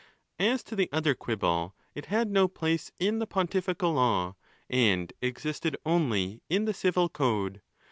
As to the other quibble, it had no place in the pontifical law, and existed only in the civil code.